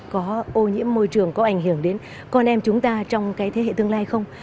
có ô nhiễm môi trường có ảnh hưởng đến con em chúng ta trong cái thế hệ tương lai không